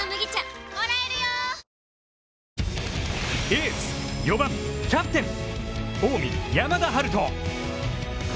エース、４番、キャプテン、近江・山田陽翔。